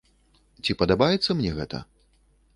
Ці падабаецца мне гэта?